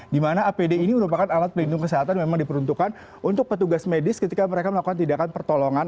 di mana apd ini merupakan alat pelindung kesehatan memang diperuntukkan untuk petugas medis ketika mereka melakukan tindakan pertolongan